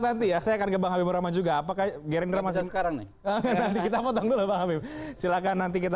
nanti ya saya akan ke bang habibur rahman juga apakah gerindra masih sekarang nih nanti kita potong dulu bang habib silakan nanti kita